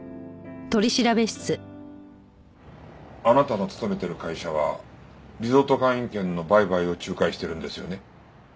あなたの勤めてる会社はリゾート会員権の売買を仲介してるんですよね？